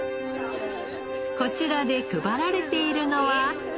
こちらで配られているのは。